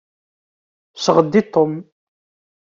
Sɣed i Tom.